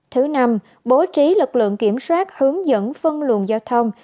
thứ năm bố trí lực lượng kiểm soát hướng dẫn phân luồng giao thông